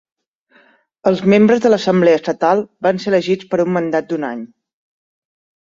Els membres de l'Assemblea Estatal van ser elegits per un mandat d'un any.